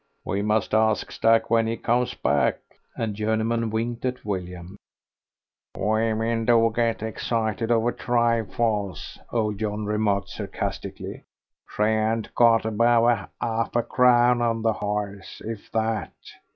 "We must ask Stack when he comes back," and Journeyman winked at William. "Women do get that excited over trifles," old John remarked, sarcastically. "She ain't got above 'alf a crown on the 'orse, if that.